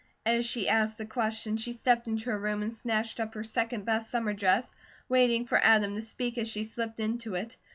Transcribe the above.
As she asked the question, she stepped into her room and snatched up her second best summer dress, waiting for Adam to speak as she slipped into it.